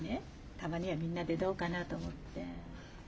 たまにはみんなでどうかなと思って。